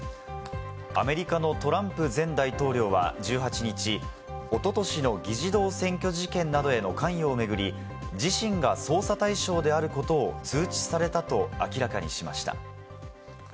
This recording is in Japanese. アメリカのトランプ前大統領は１８日、おととしの議事堂占拠事件などへの関与を巡り、自身が捜査対象であることを通知されたと明らかにしました。